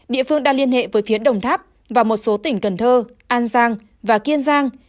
địa phương đã liên hệ với phía đồng tháp và một số tỉnh cần thơ an giang và kiên giang